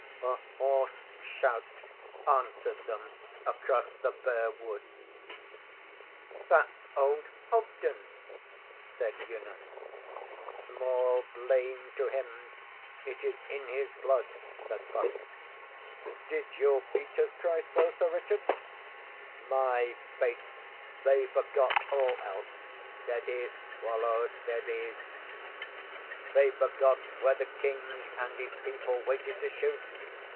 A hoarse shout answered them across the bare woods. ŌĆśThatŌĆÖs old Hobden, ŌĆÖ said Una. ŌĆśSmall blame to him. It is in his blood, ŌĆÖ said Puck. ŌĆśDid your beaters cry so, Sir Richard? ŌĆÖ ŌĆśMy faith, they forgot all else. (Steady, Swallow, steady!) They forgot where the King and his people waited to shoot.